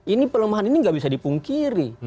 ini pelemahan ini nggak bisa dipungkiri